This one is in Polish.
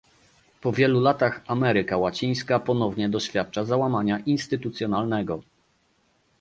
Po wielu latach Ameryka Łacińska ponownie doświadcza załamania instytucjonalnego